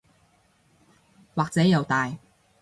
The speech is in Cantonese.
或者又大